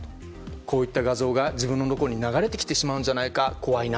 こういった画像が自分のところに流れてきてしまうかもしれないと。